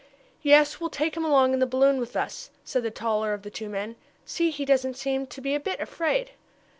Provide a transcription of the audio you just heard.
"Yes, we'll take him along in the balloon with us," said the taller of the two men. "See, he doesn't seem to be a bit afraid."